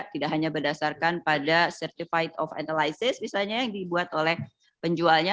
tidak hanya berdasarkan pada certified of analysis misalnya yang dibuat oleh penjualnya